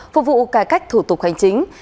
phục vụ cải cách thủ tục hành chính